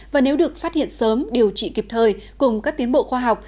và nếu được phát hiện sớm điều trị kịp thời cùng các tiến bộ khoa học